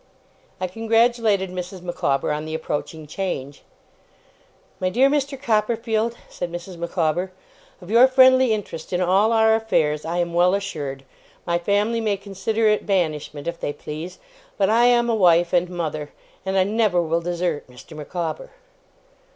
I congratulated Mrs. Micawber on the approaching change. 'My dear Mr. Copperfield,' said Mrs. Micawber, 'of your friendly interest in all our affairs, I am well assured. My family may consider it banishment, if they please; but I am a wife and mother, and I never will desert Mr. Micawber.